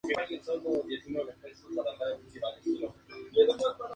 Múltiples perforaciones en órganos debido a un palillo de dientes ingerido accidentalmente.